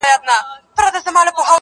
د وخت پاچا زما اته ي دي غلا كړي~